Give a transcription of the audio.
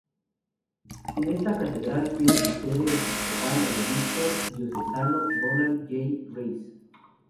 En esta catedral tiene su sede episcopal el obispo diocesano Donald J. Reece.